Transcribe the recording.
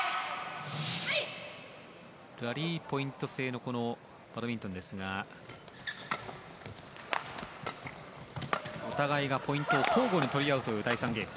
ラリーポイント制のバドミントンですがお互いがポイントを交互に取り合う第３ゲーム。